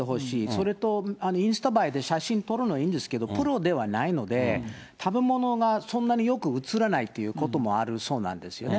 それとインスタ映えで写真撮るのはいいんですけど、プロではないので、食べ物がそんなによく写らないということもあるそうなんですよね。